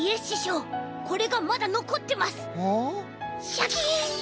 シャキン！